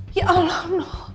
ya allah noh